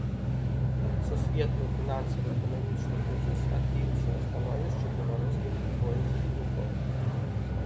Сусветны фінансава-эканамічны крызіс адбіўся на становішчы беларускіх футбольных клубаў.